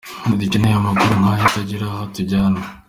Ntitugikeneye amakuru nk’aya atagira aho atujyana!